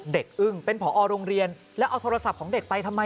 อึ้งเป็นผอโรงเรียนแล้วเอาโทรศัพท์ของเด็กไปทำไม